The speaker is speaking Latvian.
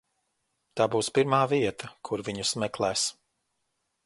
Tā būs pirmā vieta, kur viņus meklēs.